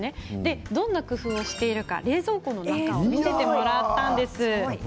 どんな工夫をしているのか冷蔵庫の中を見せてもらったんです。